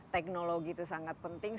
teknologi itu sangat penting